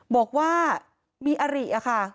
บอกว่ามีอริค่ะ